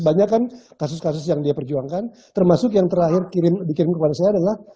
banyak kan kasus kasus yang dia perjuangkan termasuk yang terakhir dikirim kepada saya adalah